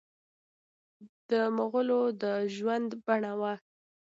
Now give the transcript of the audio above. د مغولانو د ژوند بڼه وه.